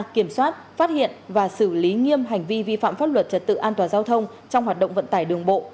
kiểm soát phát hiện và xử lý nghiêm hành vi vi phạm pháp luật trật tự an toàn giao thông trong hoạt động vận tải đường bộ